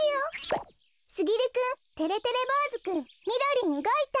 すぎるくんてれてれぼうずくんみろりんうごいた。